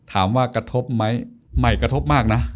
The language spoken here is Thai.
ถามว่ากระทบไหมไม่กระทบมากนะ